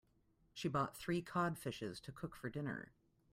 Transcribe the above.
She bought three cod fishes to cook for dinner.